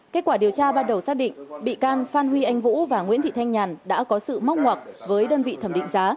kết quả điều tra ban đầu xác định bị can phan huy anh vũ và nguyễn thị thanh nhàn đã có sự móc ngoặc với đơn vị thẩm định giá